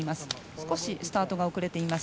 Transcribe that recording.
少しスタートが遅れています。